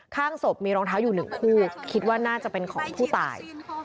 ข้างศพมีรองเท้าอยู่หนึ่งคู่คิดว่าน่าจะเป็นของผู้ตาย